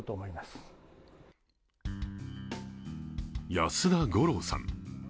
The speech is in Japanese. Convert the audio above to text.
安田吾郎さん。